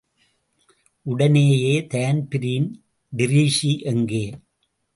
உடனேயே தான்பிரீன், டிரீஸி எங்கே?